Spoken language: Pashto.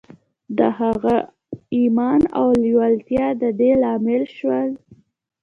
د هغه ايمان او لېوالتیا د دې لامل شول.